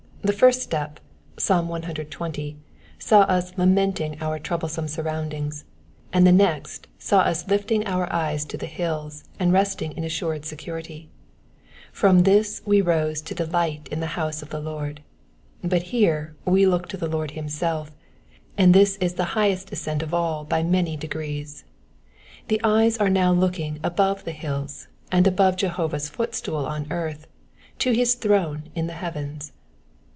The first step (Pa, exx,) saw us lameniing our troublesome surroundings, and the next saw u» lifting our eyes to the hills and resting in assured security ; from this we rose to delight in the house of the Lord / but here we look to the Lord himself and this is the highest ascent of all by many degrees. The eyes are now looking above the hiUs, and above J^ovaKs footstool on earth, to his throne in tha heavens.